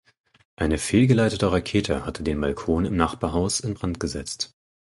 Eine fehlgeleitete Rakete hatte den Balkon im Nachbarhaus in Brand gesetzt.